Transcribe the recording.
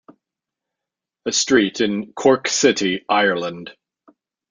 A street in Cork City, Ireland.